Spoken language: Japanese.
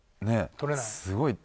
取れない。